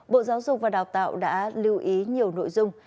bộ giáo dục và đào tạo đã lưu ý nhiều nội dung